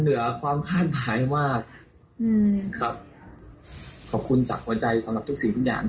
เหนือความคาดหมายมากอืมครับขอบคุณจากหัวใจสำหรับทุกสิ่งทุกอย่าง